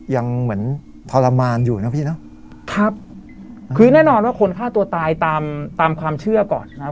ยังเหมือนทรมานอยู่นะพี่เนอะครับคือแน่นอนว่าคนฆ่าตัวตายตามตามความเชื่อก่อนนะครับ